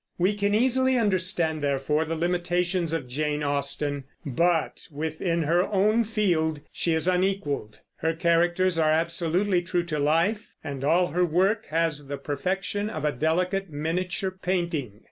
We can easily understand, therefore, the limitations of Jane Austen; but within her own field she is unequaled. Her characters are absolutely true to life, and all her work has the perfection of a delicate miniature painting.